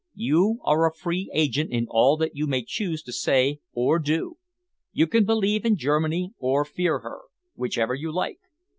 You are a free agent in all that you may choose to say or do. You can believe in Germany or fear her whichever you like.